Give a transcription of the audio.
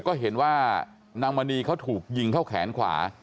ก็เห็นว่านางมณีเขาถูกยิงเข้าแขนขวา